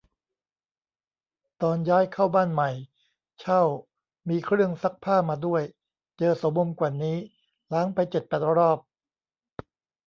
ตอนย้ายเข้าบ้านใหม่ เช่า มีเครื่องซักผ้ามาด้วย เจอโสมมกว่านี้ ล้างไปเจ็ดแปดรอบ